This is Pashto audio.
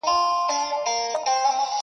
دا چي اخته یمه له ځانه سره پام اړوم